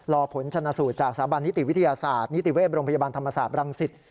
รอผลชนะสูตรจากสถาบันนิติวิทยาศาสตร์นิติเวศโรงพยาบาลธรรมศาสตร์บรังสิต